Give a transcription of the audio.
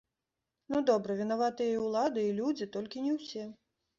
Ну добра, вінаватыя і ўлады, і людзі, толькі не ўсе.